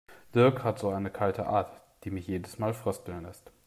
Dirk hat so eine kalte Art, die mich jedes Mal frösteln lässt.